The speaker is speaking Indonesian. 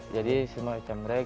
jadi semacam rack